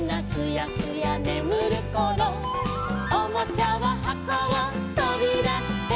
「おもちゃははこをとびだして」